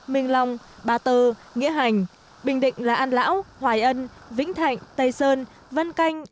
minh long ba tơ nghĩa hành bình định là an lão hoài ân vĩnh thạnh tây sơn vân canh